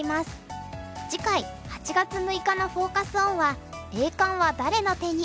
次回８月６日のフォーカス・オンは「栄冠は誰の手に？